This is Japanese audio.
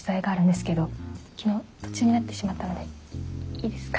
昨日途中になってしまったのでいいですか？